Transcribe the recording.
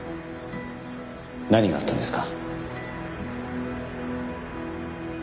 何があったんですか？